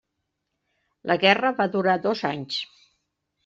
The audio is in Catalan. La guerra va durar dos anys.